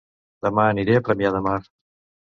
Dema aniré a Premià de Mar